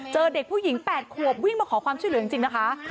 เด็กผู้หญิง๘ขวบวิ่งมาขอความช่วยเหลือจริงนะคะ